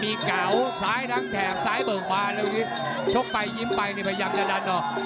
มีเก๋าซ้ายทั้งแทงซ้ายเบิ่งมาแล้วชกไปยิ้มไปนี่พยังจะดันอ่ะ